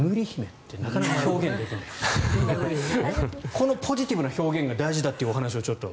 このポジティブな表現が大事だという話を。